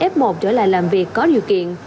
f một trở lại làm việc có điều kiện